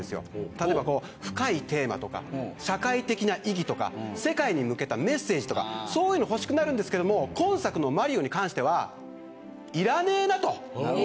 例えば深いテーマとか社会的な意義とか世界に向けたメッセージとかそういうの欲しくなるんですけど今作のマリオに関してはいらねえなと。